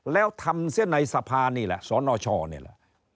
แล้วทำเสียในสภานี่แหละสนชนี่แหละ